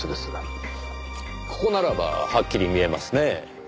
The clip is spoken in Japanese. ここならばはっきり見えますねぇ。